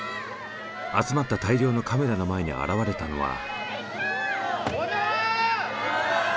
集まった大量のカメラの前に現れたのは。